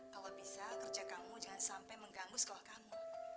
kalau bisa kerja kamu jangan sampai mengganggu sekolah kamu